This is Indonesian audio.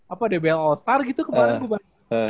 apa dbl all star gitu kemarin gue baca